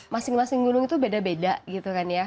masing masing gunung itu beda beda gitu kan ya